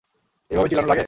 এভাবে চিল্লানো লাগে!